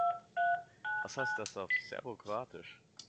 Was heißt das auf Serbokroatisch?